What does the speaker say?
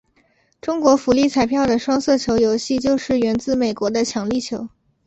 中国福利彩票的双色球游戏就是源自美国的强力球。